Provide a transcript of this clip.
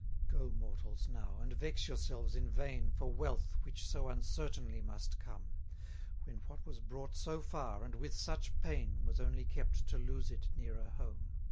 32 Go, mortals, now; and vex yourselves in vain For wealth, which so uncertainly must come: When what was brought so far, and with such pain, Was only kept to lose it nearer home.